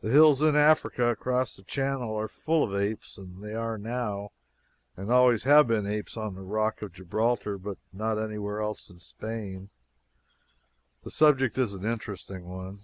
The hills in Africa, across the channel, are full of apes, and there are now and always have been apes on the rock of Gibraltar but not elsewhere in Spain! The subject is an interesting one.